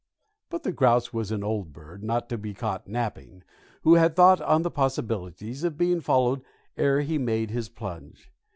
But the grouse was an old bird, not to be caught napping, who had thought on the possibilities of being followed ere he made his plunge.